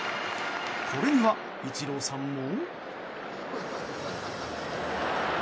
これにはイチローさんも。